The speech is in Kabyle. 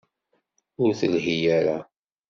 Ur telḥi ara.